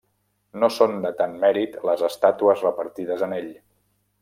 No són de tant mèrit les estàtues repartides en ell.